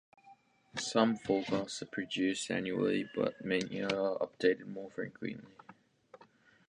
Some forecasts are produced annually, but many are updated more frequently.